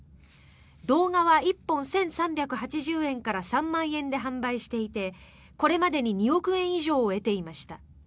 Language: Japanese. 動画は１本１３８０円から３万円で販売していてこれまでに２億円以上を得ていました。